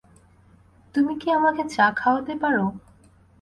তুমি কি আমাকে চা খাওয়াতে পার?